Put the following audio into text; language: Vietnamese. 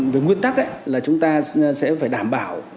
về nguyên tắc là chúng ta sẽ phải đảm bảo